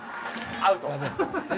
アウト。